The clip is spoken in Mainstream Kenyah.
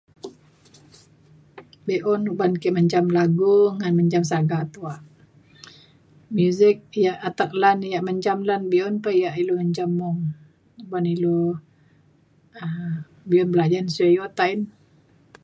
be’un uban ke menjam lagu ngan menjam sagak tuak. muzik yak atek lan yak menjam lan be’un pa yak ilu menjam mung uban ilu um be’un belajan sio o ta’en